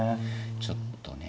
ちょっとね。